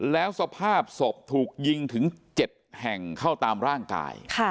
แล้วสภาพศพถูกยิงถึง๗แห่งเข้าตามร่างกาย